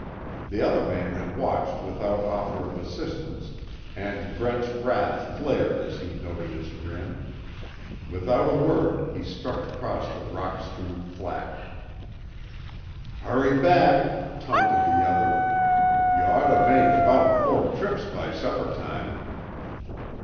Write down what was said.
The other man had watched without offer of assistance, and Brent's wrath flared as he noted his grin. Without a word he struck across the rock strewn flat. "Hurry back," taunted the other, "You ort to make about four trips by supper time."